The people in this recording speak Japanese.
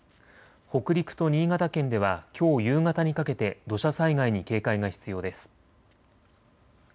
北陸と新潟県ではきょう夕方にかけて土砂災害に警戒が必要です。